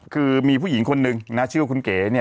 คือมีผู้หญิงคนนึงนะชื่อว่าคุณเก๋เนี่ย